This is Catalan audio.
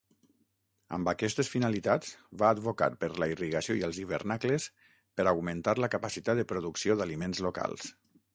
Amb aquestes finalitats, va advocar per la irrigació i els hivernacles per augmentar la capacitat de producció d'aliments locals.